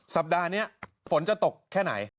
สัปดาห์นี้ฝนจะตกแค่ไหน